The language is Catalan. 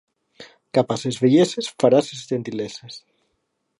Cap a ses velleses farà ses gentileses.